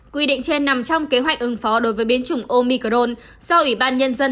quy định trên nằm trong kế hoạch ứng phó đối với biến chủng omicrone do ủy ban nhân dân